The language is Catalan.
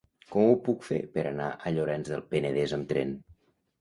Com ho puc fer per anar a Llorenç del Penedès amb tren?